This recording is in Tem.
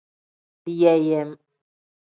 Deyeeyem.